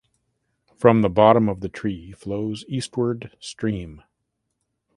From the bottom of the tree flows eastward stream.